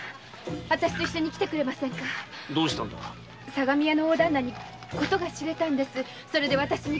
相模屋の大旦那に事が知れたんです。